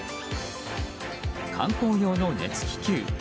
観光用の熱気球。